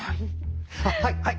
はいはい！